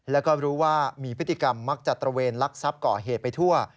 แล้วก็รู้ว่ามีพฤติกรรมมักจะตระเวนลักทรัพย์ก่อเหตุไปทั่ว